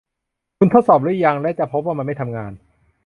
คุณทดสอบรึยัง และจะพบว่ามันไม่ทำงาน